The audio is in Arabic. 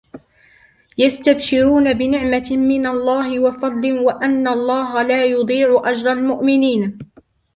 يستبشرون بنعمة من الله وفضل وأن الله لا يضيع أجر المؤمنين